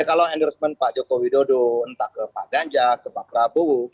kalau endorsement pak jokowi dodo entah ke pak ganjar ke pak prabowo